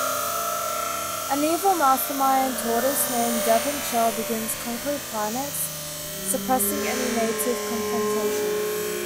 An evil mastermind tortoise named Devan Shell begins conquering planets, suppressing any native confrontation.